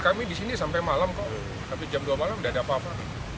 kami di sini sampai malam kok sampai jam dua malam udah ada apa apa